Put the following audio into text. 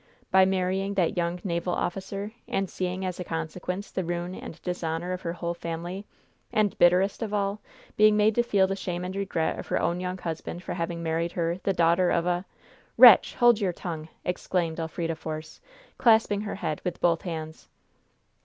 By marrying that young naval officer, and seeing, as a consequence, the ruin and dishonor of her whole family, and, bitterest of all, being made to feel the shame and regret of her own young husband for having married her, the daughter of " "Wretch! hold your tongue!" exclaimed Elfrida Force, clasping her head with both hands.